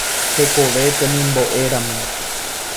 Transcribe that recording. Hekove temimbo'éramo.